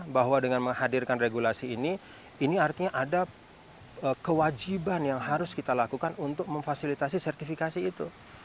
bahwa dengan menghadirkan regulasi ini ini artinya ada kewajiban yang harus kita lakukan untuk memfasilitasi sertifikasi itu